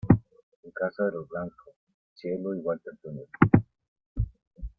En casa de los Blanco, 'Cielo' y 'Walter Jr.